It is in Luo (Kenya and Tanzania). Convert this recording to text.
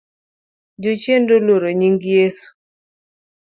Jochiende oluoro nying Yeso